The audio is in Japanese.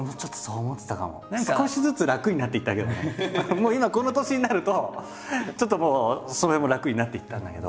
もう今この年になるとちょっともうその辺も楽になっていったんだけど。